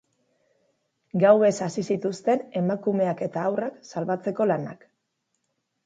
Gauez hasi zituzten emakumeak eta haurrak salbatzeko lanak.